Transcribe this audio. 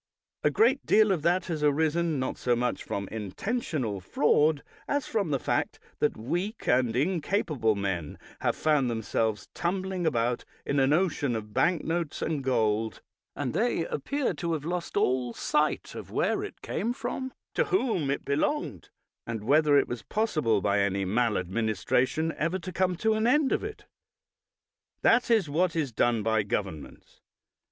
A great deal of that has arisen, not so much from intentional fraud as from the fact that weak and incapable men have found themselves tumbling about in an ocean of bank notes and gold, and they appear to have lost all sight of where it came from, to whom it belonged, and whether it was possible by any maladministration ever to come to an end of it. That is what is done by governments.